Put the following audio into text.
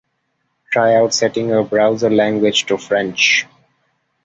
Try out setting your browser language to French